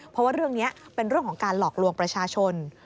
เพราะว่าเรื่องนี้เป็นเรื่องของการหลอกลวงประชาชน